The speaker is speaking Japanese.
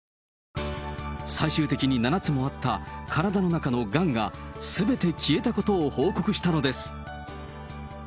最終的に７つもあった体の中のがんが、すべて消えたことを報告したのです。